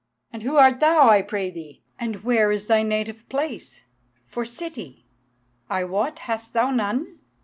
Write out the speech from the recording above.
"And who art thou, I pray thee, and where is thy native place, for city, I wot, thou hast none?"